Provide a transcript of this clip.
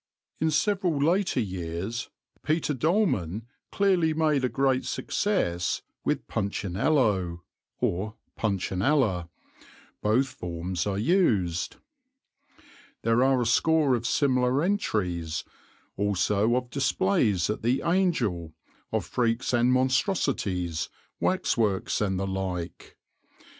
In several later years Peter Dolman clearly made a great success with Punchinello or Puntionella both forms are used. There are a score of similar entries, also of displays at the "Angel," of freaks and monstrosities, waxworks and the like.